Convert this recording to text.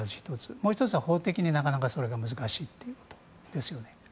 もう１つは法的になかなかそれが難しいということですよね。